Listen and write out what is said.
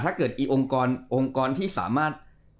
ถ้าเกิดอีองกรที่สามารถ